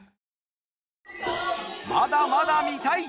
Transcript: まだまだ見たい。